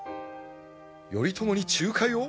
頼朝に仲介を？